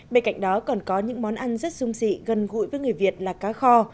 bên cạnh đó còn có những món ăn rất dung dị gần gũi với người việt là cá kho